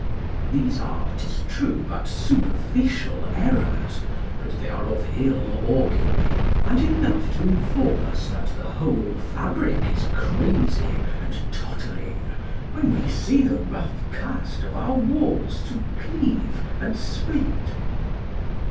These are, 'tis true, but superficial errors; but they are of ill augury, and enough to inform us that the whole fabric is crazy and tottering, when we see the roughcast of our walls to cleave and split.